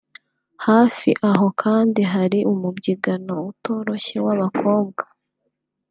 Hafi aho kandi hari umubyigano utoroshye w’abakobwa